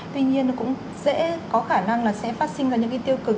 tuy nhiên nó cũng dễ có khả năng là sẽ phát sinh ra những cái tiêu cực